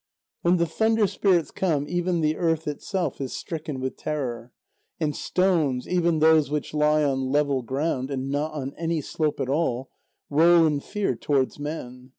When the thunder spirits come, even the earth itself is stricken with terror. And stones, even those which lie on level ground, and not on any slope at all, roll in fear towards men.